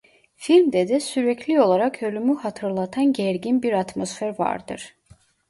Filmde de sürekli olarak ölümü hatırlatan gergin bir atmosfer vardır.